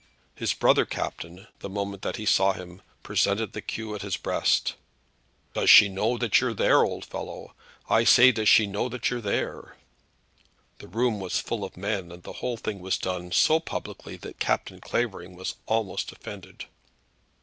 His brother captain, the moment that he saw him, presented the cue at his breast. "Does she know you're there, old fellow; I say, does she know you're there?" The room was full of men, and the whole thing was done so publicly that Captain Clavering was almost offended.